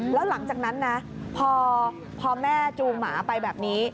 แล้วหลังจากนั้นนะพอแม่จูงหมาไปแบบนี้